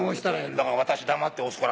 だから私黙って押すから。